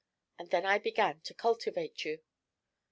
And then I began to cultivate you.'